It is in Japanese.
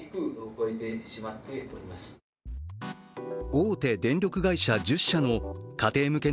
大手電力会社１０社の家庭向け